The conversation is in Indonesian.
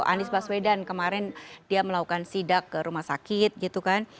anies baswedan kemarin dia melakukan sidak ke rumah sakit gitu kan